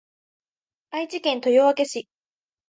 愛知県豊明市